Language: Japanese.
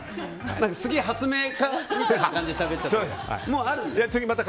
すげえ発明家みたいな感じでしゃべっちゃった。